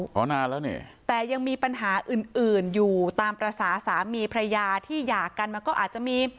พอนานแล้วเนี่ยแต่ยังมีปัญหาอื่นอื่นอยู่ตามภาษาสามีพระยาที่หย่ากันมันก็อาจจะมี